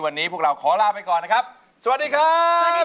วันนี้พวกเราขอลาไปก่อนนะครับสวัสดีครับ